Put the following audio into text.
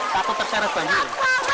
takut terseret banjir